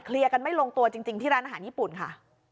เคลียร์กันไม่ลงตัวจริงจริงที่ร้านอาหารญี่ปุ่นค่ะ